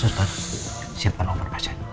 sus pak siapkan nomor pasien